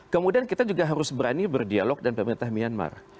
kemudian kita juga harus berani berdialog dengan pemerintah myanmar